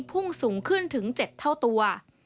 พุ่งสูงขึ้นถึง๗เท่าตัว